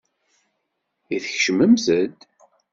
I tkecmemt-d?